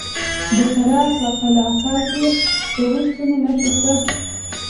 د فراه په قلعه کاه کې د وسپنې نښې شته.